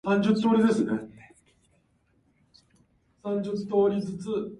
「仲間や愛する人達の手が体がその言葉がどんなに強い力を持つか」